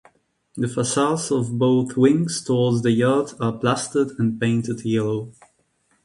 The facades of both wings towards the yard are plastered and painted yellow.